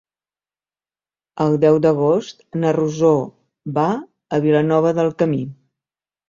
El deu d'agost na Rosó va a Vilanova del Camí.